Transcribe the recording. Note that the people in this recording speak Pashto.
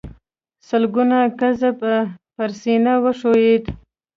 سلګونه ګزه به پر سينه وښويېد.